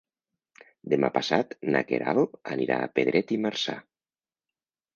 Demà passat na Queralt anirà a Pedret i Marzà.